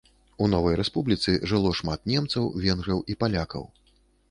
У новай рэспубліцы жыло шмат немцаў, венграў і палякаў.